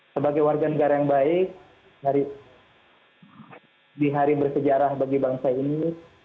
sebagai warga negara yang baik di hari bersejarah bagi bangsa ini